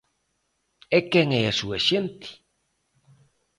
E quen é a súa xente?